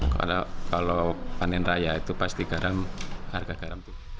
kalau panen raya itu pasti garam harga garam